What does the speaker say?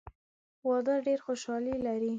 واده ډېره خوشحالي لري.